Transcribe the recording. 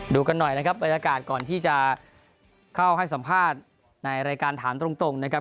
กันหน่อยนะครับบรรยากาศก่อนที่จะเข้าให้สัมภาษณ์ในรายการถามตรงนะครับ